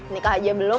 nikah aja belum